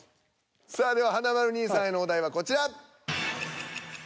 さあでは華丸兄さんへのお題はこちら。